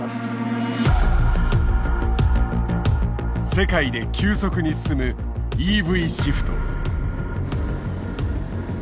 世界で急速に進むＥＶシフト。